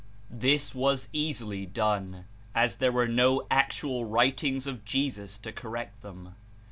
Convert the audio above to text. This was easily done as there were no act ual writings of Jesus to correct them.